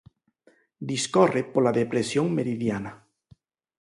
Discorre pola Depresión Meridiana.